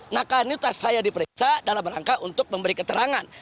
nah kan itu saya diperiksa dalam rangka untuk memberi keterangan